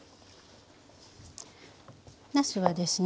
なすはですね。